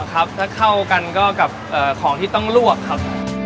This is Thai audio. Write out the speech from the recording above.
ถ้าเข้ากันก็กับของที่ต้องลวกครับ